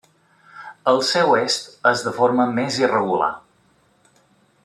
Al seu est és de forma més irregular.